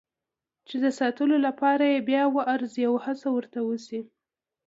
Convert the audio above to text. چې د ساتلو لپاره یې بیا وارزي او هڅه ورته وشي.